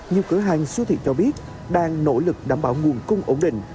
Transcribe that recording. nhiều cửa hàng siêu thị cho biết đang nỗ lực đảm bảo nguồn cung ổn định